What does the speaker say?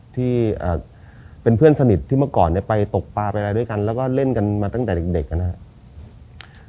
ที่เป็นเพื่อนสนิทที่เมื่อก่อนเนี่ยไปตกปลาไปอะไรด้วยกันแล้วก็เล่นกันมาตั้งแต่เด็กนะครับ